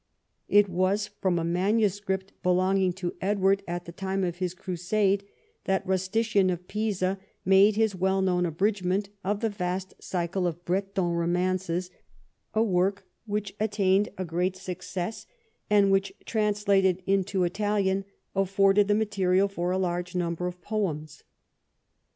It was from a manuscript belonging to Edward at the time of his Crusade, that Rustician of Pisa made his well known abridgment of the vast cycle of Breton romances, a work which attained a great success, and Avhich, translated into Italian, afforded the material for a large number of poems.